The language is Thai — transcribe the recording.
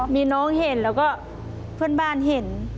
มีน้องเห็นแล้วก็เพื่อนบ้านเห็น